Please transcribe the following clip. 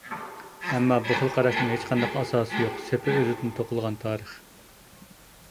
ئەمما بۇ خىل قاراشنىڭ ھېچقانداق ئاساسى يوق، سېپى ئۆزىدىن توقۇلغان «تارىخ».